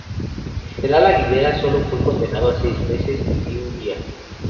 El general Aguilera sólo fue condenado a seis meses y un día.